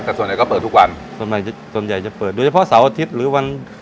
แต่ส่วนใหญ่ก็เปิดทุกวันส่วนใหญ่ส่วนใหญ่จะเปิดโดยเฉพาะเสาร์อาทิตย์หรือวัน